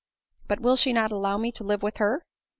" But will she not allow me to live with her